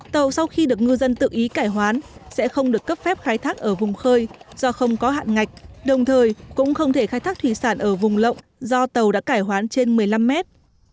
tàu sau khi được ngư dân tự ý cải hoán sẽ không được cấp phép khai thác ở vùng khơi do không có hạn ngạch đồng thời cũng không thể khai thác thủy sản ở vùng lộng do tàu đã cải hoán trên một mươi năm mét